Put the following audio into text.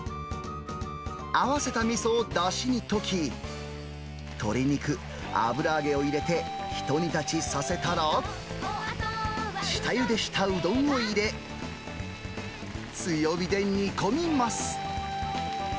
合わせたみそをだしに溶き、鶏肉、油揚げを入れて、ひと煮立ちさせたら、下ゆでしたうどんを入れ、強火で煮込みます。